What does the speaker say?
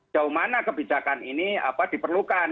jauh mana kebijakan ini diperlukan